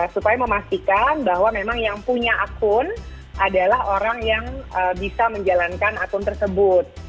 supaya memastikan bahwa memang yang punya akun adalah orang yang bisa menjalankan akun tersebut